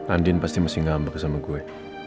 andin pasti masih gak ambil sama gue